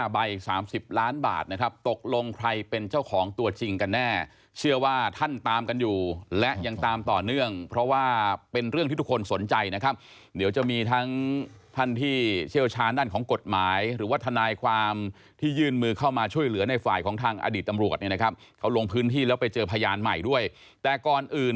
ใบ๓๐ล้านบาทนะครับตกลงใครเป็นเจ้าของตัวจริงกันแน่เชื่อว่าท่านตามกันอยู่และยังตามต่อเนื่องเพราะว่าเป็นเรื่องที่ทุกคนสนใจนะครับเดี๋ยวจะมีทั้งท่านที่เชี่ยวชาญด้านของกฎหมายหรือว่าทนายความที่ยื่นมือเข้ามาช่วยเหลือในฝ่ายของทางอดีตตำรวจเนี่ยนะครับเขาลงพื้นที่แล้วไปเจอพยานใหม่ด้วยแต่ก่อนอื่น